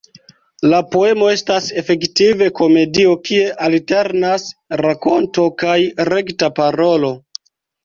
La poemo estas efektive komedio, kie alternas rakonto kaj rekta parolo.